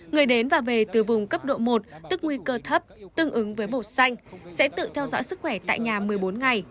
người đến và về từ vùng cấp độ một tức nguy cơ thấp tương ứng với bột xanh sẽ tự theo dõi sức khỏe tại nhà một mươi bốn ngày